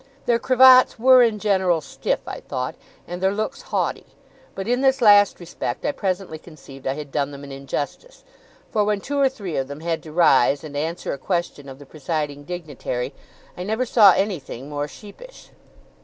Their cravats were in general stiff, I thought, and their looks haughty; but in this last respect I presently conceived I had done them an injustice, for when two or three of them had to rise and answer a question of the presiding dignitary, I never saw anything more sheepish.